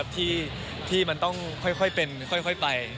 ที่มันต้องค่อยเป็นค่อยไป